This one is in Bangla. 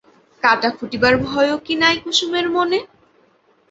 কাঁটা ফুটিবার ভয়ও কি নাই কুসুমের মনে?